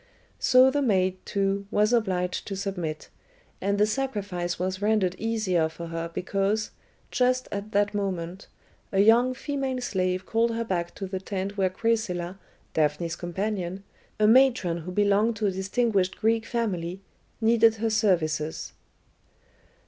So the maid, too, was obliged to submit, and the sacrifice was rendered easier for her because, just at that moment, a young female slave called her back to the tent where Chrysilla, Daphne's companion, a matron who belonged to a distinguished Greek family, needed her services.